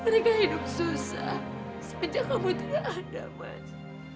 mereka hidup susah semenjak kamu tidak ada mas